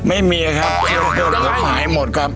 ไม่มีครับเพื่อนฝูงขายหมดครับ